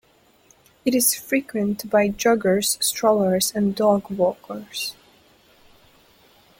It is frequented by joggers, strollers, and dog walkers.